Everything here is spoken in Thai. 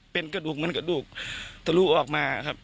เป็นกระดูกเหมือนกระดูกทะลุออกมาครับ